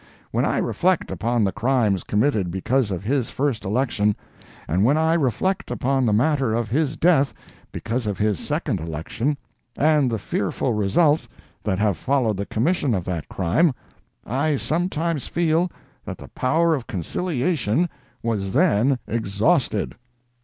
When I reflect upon the crimes committed because of his first election, and when I reflect upon the manner of his death because of his second election, and the fearful results that have followed the commission of that crime, I sometimes feel that the power of conciliation was then exhausted.